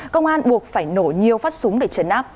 công an buộc phải nổ nhiều phát súng để chấn áp